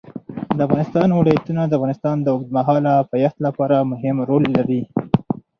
د افغانستان ولايتونه د افغانستان د اوږدمهاله پایښت لپاره مهم رول لري.